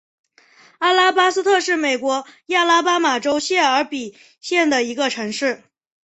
阿拉巴斯特是美国亚拉巴马州谢尔比县的一个城市。